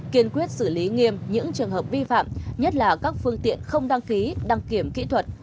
kiên quyết xử lý nghiêm những trường hợp vi phạm nhất là các phương tiện không đăng ký đăng kiểm kỹ thuật